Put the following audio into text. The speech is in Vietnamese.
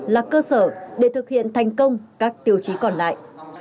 là cơ sở để thực hiện thành công các tiêu chí còn lại